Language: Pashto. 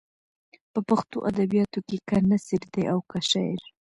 په پښتو ادبیاتو کې که نثر دی او که شعر.